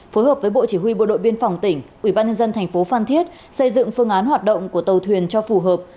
phối hợp với bộ chỉ huy bộ đội biên phòng tỉnh ubnd tp phan thiết xây dựng phương án hoạt động của tàu thuyền cho phù hợp